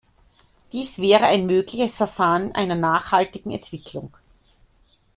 Dies wäre ein mögliches Verfahren einer nachhaltigen Entwicklung.